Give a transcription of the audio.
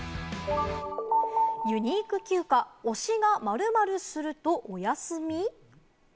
ユニーク休暇、推しが〇〇すると、お休み！？